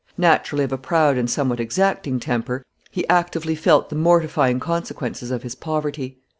Naturally of a proud and somewhat exacting temper, he actively felt the mortifying consequences of his poverty.